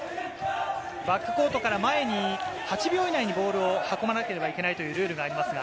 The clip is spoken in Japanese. バックコートから前に８秒以内にボールを運ばなければいけないというルールがあります。